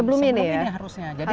sebelum ini harusnya